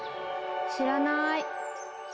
知らない。